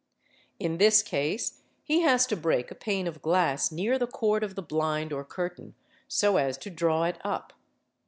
In this case he has to break a pane of glass near the " cord of the blind or curtain so as to draw it up.